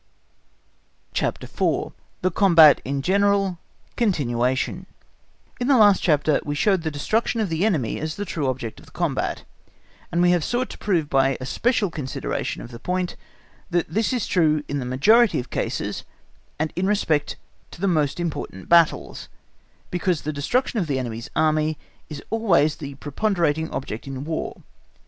CHAPTER IV. The Combat in General (continuation) In the last chapter we showed the destruction of the enemy as the true object of the combat, and we have sought to prove by a special consideration of the point, that this is true in the majority of cases, and in respect to the most important battles, because the destruction of the enemy's Army is always the preponderating object in War.